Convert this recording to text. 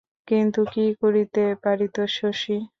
কিন্তু কী করিতে পারিত শশী?